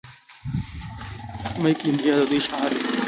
میک ان انډیا د دوی شعار دی.